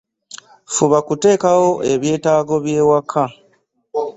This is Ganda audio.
Fuba kuteekawo ebyetaago bye waka.